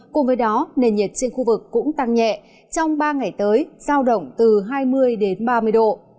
cùng với đó nền nhiệt trên khu vực cũng tăng nhẹ trong ba ngày tới giao động từ hai mươi đến ba mươi độ